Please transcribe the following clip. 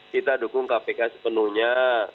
kita dukung kpk sepenuhnya